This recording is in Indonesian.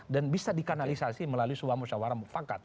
dan bisa dikanalisasi melalui suamu sawaramu pangkat